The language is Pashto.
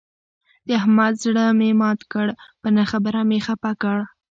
د احمد زړه مې مات کړ، په نه خبره مې خپه کړ.